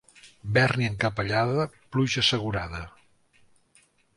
Bèrnia encapellada, pluja assegurada.